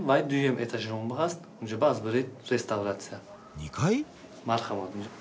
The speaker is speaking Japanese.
２階？